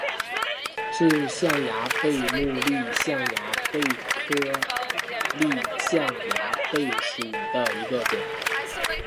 是象牙贝目丽象牙贝科丽象牙贝属的一种。